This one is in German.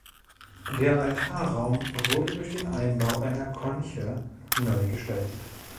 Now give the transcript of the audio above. Der Altarraum wurde durch den Einbau einer Konche neu gestaltet.